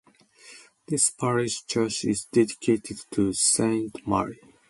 The parish church is dedicated to Saint Mary.